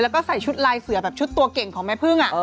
แล้วก็ใส่ชุดลายเสือแบบชุดตัวเก่งของแม่พึ่ง